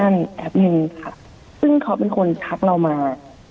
นะว่าคุณเค้าเป็นคนชัดเรามา